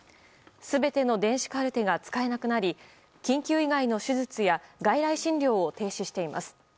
全ての電子カルテが使えなくなり緊急以外の手術や外来診療を停止しています。